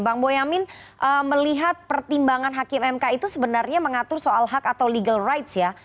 bang boyamin melihat pertimbangan hakim mk itu sebenarnya mengatur soal hak atau legal rights ya